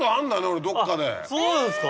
そうなんですか？